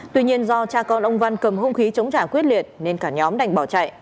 tuy nhiên do cha con ông văn cầm hông khí chống trả quyết liệt nên cả nhóm đành bỏ chạy